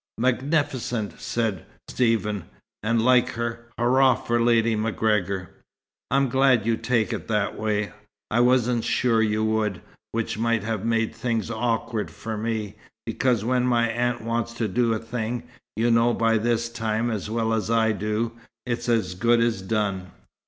"Magnificent!" said Stephen. "And like her. Hurrah for Lady MacGregor!" "I'm glad you take it that way. I wasn't sure you would, which might have made things awkward for me; because when my aunt wants to do a thing, you know by this time as well as I do, it's as good as done."